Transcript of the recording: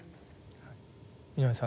井上さん